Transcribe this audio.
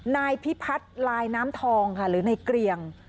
นายพิพัฒน์ลายน้ำทองค่ะหรือในเกรียง